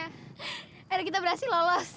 akhirnya kita berhasil lolos